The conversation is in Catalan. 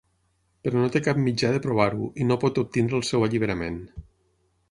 Però no té cap mitjà de provar-ho, i no pot obtenir el seu alliberament.